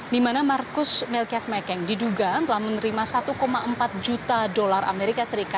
dimana markus melchias mekeng diduga telah menerima satu empat juta dolar as